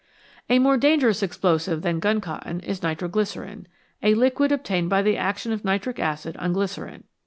A more dangerous explosive than gun cotton is nitro glycerine, a liquid obtained by the action of nitric acid on glycerine.